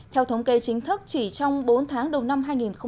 theo thống kê chính thức chỉ trong bốn tháng đầu năm hai nghìn một mươi chín